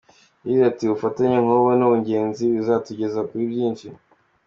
Yagize ati “ubufatanye nk’ubu ni ingenzi, buzatugeza kuri byinshi.